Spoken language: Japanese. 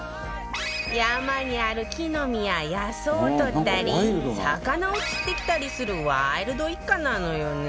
山にある木の実や野草を採ったり魚を釣ってきたりするワイルド一家なのよね